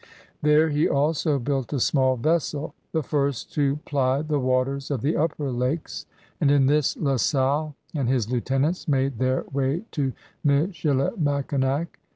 There he also built a small vessel, the first to ply the waters of the upper lakes, and in this La Salle and his lieutenants made their way to Michilimackinac.